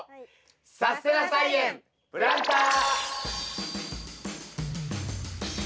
「さすてな菜園プランター」。